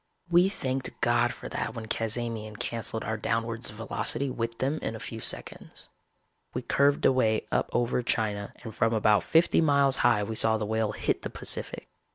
We thanked God for that when Cazamian canceled our downwards velocity with them in a few seconds. We curved away up over China and from about fifty miles high we saw the Whale hit the Pacific.